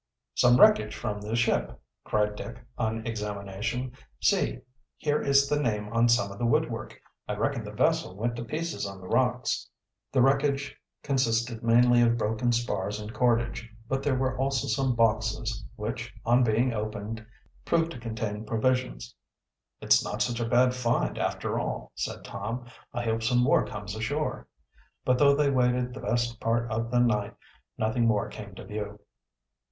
"Some wreckage from the ship!" cried Dick, on examination. "See, here is the name on some of the woodwork. I reckon the vessel went to pieces on the rocks." The wreckage consisted mainly of broken spars and cordage. But there were also some boxes, which, on being opened, proved to contain provisions. "It's not such a bad find, after all," said Tom. "I hope some more comes ashore." But though they waited the best part of the night, nothing more came to view.